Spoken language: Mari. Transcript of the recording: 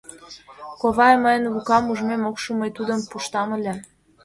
Ковай, мыйын Лукам ужмем ок шу, мый тудым пуштам ыле.